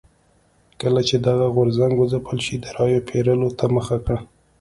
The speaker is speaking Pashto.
کله چې دغه غورځنګ وځپل شو د رایو پېرلو ته مخه کړه.